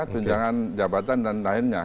tunjangan jabatan dan lainnya